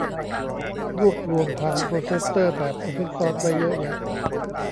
รวบรวมผังโพรเซสเซอร์แบบโอเพนซอร์สไว้เยอะแยะ